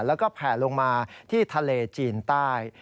แล้วก็แผ่ลงมาที่ทะเลจีนใต้